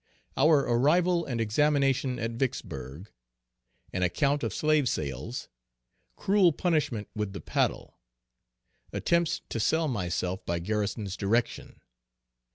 _Our arrival and examination at Vicksburg. An account of slave sales. Cruel punishment with the paddle. Attempts to sell myself by Garrison's direction.